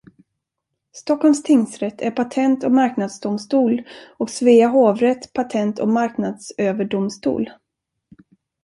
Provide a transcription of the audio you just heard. Stockholms tingsrätt är Patent- och marknadsdomstol och Svea hovrätt Patent- och marknadsöverdomstol.